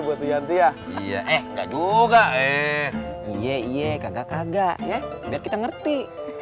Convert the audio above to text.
buat yanti ya iya eh enggak juga eh iye kagak kagak ya biar kita ngerti